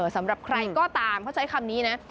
สำหรับใครก็ตามเขาใช้คำนี้นะ